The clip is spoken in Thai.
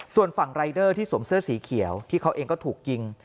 ส่วนฝั่งรายเดอร์ที่สวมเสื้อสีเขียวที่เขาเองก็ถูกยิง